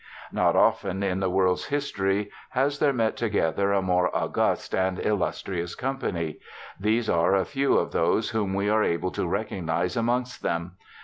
Not often in the world's history has there met together a more august and illustrious company. These are a few of those whom we are able to recognize amongst them.